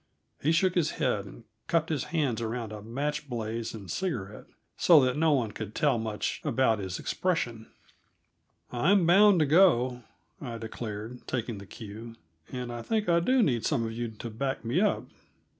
He shook his head, and cupped his hands around a match blaze and a cigarette, so that no one could tell much about his expression. "I'm bound to go," I declared, taking the cue. "And I think I do need some of you to back me up.